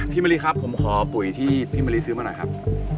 มะลิครับผมขอปุ๋ยที่พี่มะลิซื้อมาหน่อยครับ